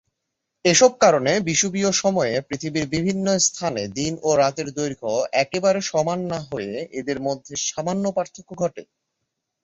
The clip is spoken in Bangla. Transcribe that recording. এসব কারণে বিষুবীয় সময়ে পৃথিবীর বিভিন্ন স্থানে দিন ও রাতের দৈর্ঘ্য একেবারে সমান না হয়ে এদের মধ্যে সামান্য পার্থক্য ঘটে।